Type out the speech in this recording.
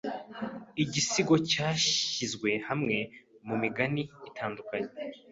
igisigo cyashyizwe hamwe mumigani itandukanye